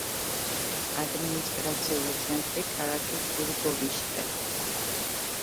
ადმინისტრაციული ცენტრი ქალაქი ტირგოვიშტე.